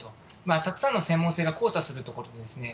たくさんの専門性が交差するところですね。